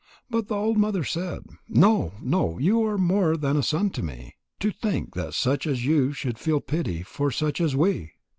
But the old mother said: "No, no. You are more than a son to me. To think that such as you should feel pity for such as we!"